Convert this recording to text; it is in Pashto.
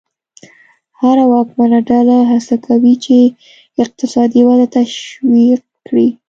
هره واکمنه ډله هڅه کوي چې اقتصادي وده تشویق کړي.